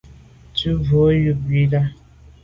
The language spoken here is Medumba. Tshu bo ywit là bit.